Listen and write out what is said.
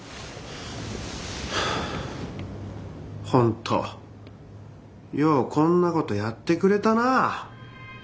ほんとようこんなことやってくれたなあ。